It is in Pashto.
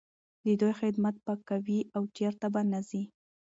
د دوی خدمت به کوې او چرته به نه ځې.